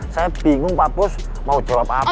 saya bingung pak pus mau jawab apa